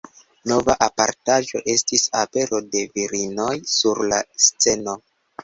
Nova apartaĵo estis apero de virinoj sur la sceno.